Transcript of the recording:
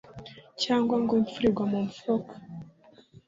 cyangwa ngo imfura igwa mu mfuruka »